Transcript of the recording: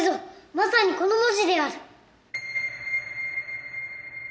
まさにこの文字である。